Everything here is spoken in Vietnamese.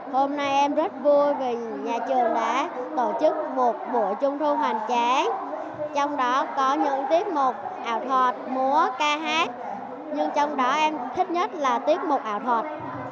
hôm nay em rất vui vì nhà trường đã tổ chức một buổi trung thu hoàn cá trong đó có những tiết mục ảo múa ca hát nhưng trong đó em thích nhất là tiết mục ảo thuật